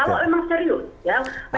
kalau memang serius ya